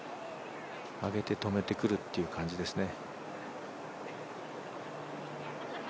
上げて止めてくるという感じですね。